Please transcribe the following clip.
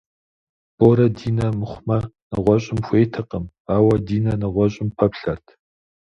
Борэ Динэ мыхъумэ, нэгъуэщӏым хуейтэкъым, ауэ Динэ нэгъуэщӏым пэплъэрт.